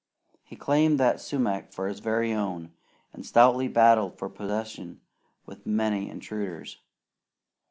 He claimed that sumac for his very own, and stoutly battled for possession with many intruders.